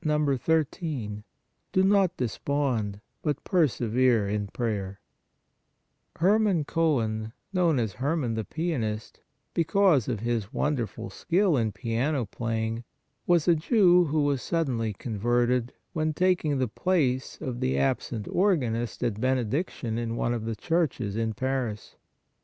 13. Do NOT DESPOND, BUT PERSEVERE IN PRAYER Herman Cohen, known as " Herman the Pian ist," because of his wonderful skill in piano playing, was a Jew who was suddenly converted, when tak ing the place of the absent organist at Benediction in one of the churches in Paris.